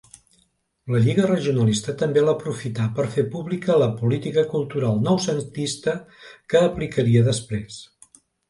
La Lliga Regionalista també l'aprofità per fer pública la política cultural noucentista que aplicaria després.